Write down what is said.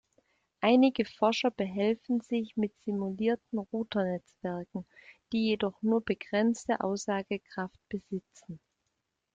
Einige Forscher behelfen sich mit simulierten Router-Netzwerken, die jedoch nur begrenzte Aussagekraft besitzen.